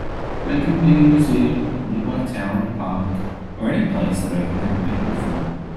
They can be a museum, a nearby town, a park, or any place that I have never been before.